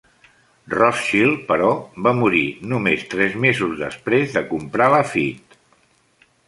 Rothschild, però, va morir només tres mesos després de comprar Lafite.